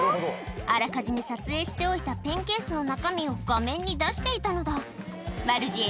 あらかじめ撮影しておいたペンケースの中身を画面に出していたのだ悪知恵